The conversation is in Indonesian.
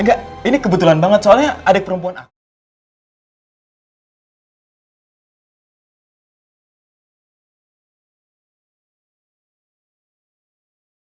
enggak ini kebetulan banget soalnya adik perempuan aku